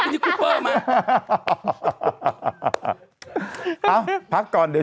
เป็นการกระตุ้นการไหลเวียนของเลือด